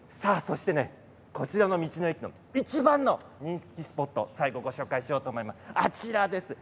こちらの道の駅のいちばんの人気スポットを最後にご紹介しようと思います。